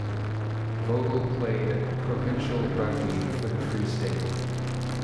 Vogel played provincial rugby for the Free State.